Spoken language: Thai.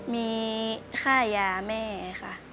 มีค่ายาแม่ค่ะ